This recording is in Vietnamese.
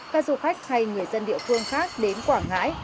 các du khách hay người dân địa phương khác đến quảng ngãi